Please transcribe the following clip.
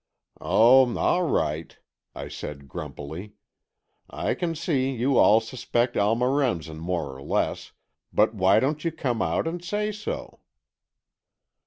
"Oh, all right," I said, grumpily. "I can see you all suspect Alma Remsen more or less, but why don't you come out and say so?"